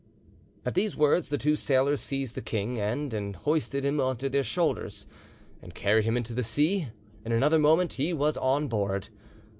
At these words the two sailors seized the king end hoisted him on to their shoulders, and carried him into the sea; in another moment he was on board.